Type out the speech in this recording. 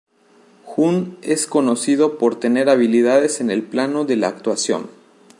Jun es conocido por tener habilidades en el plano de la actuación.